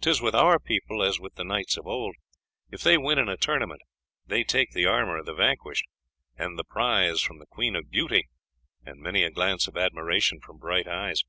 'Tis with our people as with the knights of old; if they win in a tournament they take the armour of the vanquished, the prize from the Queen of Beauty, and many a glance of admiration from bright eyes.